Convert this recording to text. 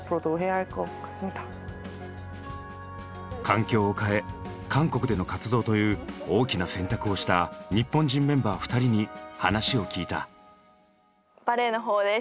環境を変え韓国での活動という大きな選択をした日本人メンバー２人に話を聞いた。